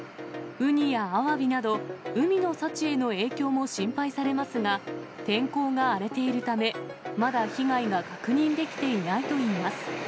ウニやアワビなど、海の幸への影響も心配されますが、天候が荒れているため、まだ被害が確認できていないといいます。